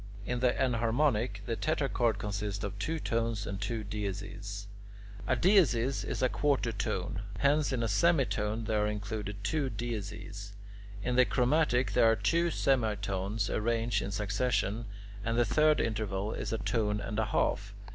In the enharmonic, the tetrachord consists of two tones and two "dieses." A diesis is a quarter tone; hence in a semitone there are included two dieses. In the chromatic there are two semitones arranged in succession, and the third interval is a tone and a half.